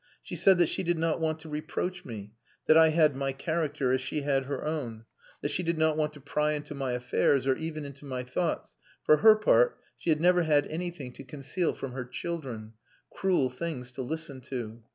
She said that she did not want to reproach me; that I had my character as she had her own; that she did not want to pry into my affairs or even into my thoughts; for her part, she had never had anything to conceal from her children...cruel things to listen to.